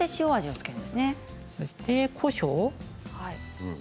そして、こしょう。